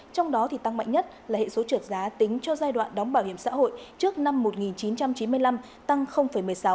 trong đó tăng mạnh nhất là hệ số trượt giá tính cho giai đoạn đóng bảo hiểm xã hội trước năm một nghìn chín trăm chín mươi năm tăng một mươi sáu